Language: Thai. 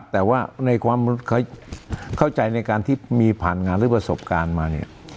แต่ว่าในความเข้าใจในการที่มีผ่านงานหรือประสบการณ์มาเนี่ย